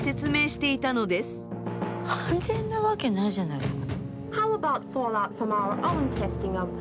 安全なわけないじゃないですか。